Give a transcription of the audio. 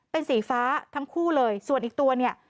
เป็นสีฟ้าทั้งคู่เลยส่วนอีกตัวเนี่ย